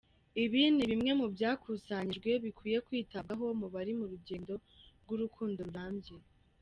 Ibi ni bimwe mu byakusanyijwe bikwiye kwitabwaho mu bari mu rugendo rw’urukundo rurambye.